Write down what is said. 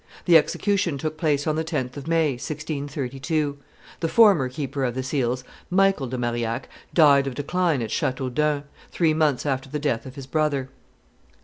The execution took place on the 10th of May, 1632. The former keeper of the seals, Michael de Marillac, died of decline at Chateaudun, three months after the death of his brother.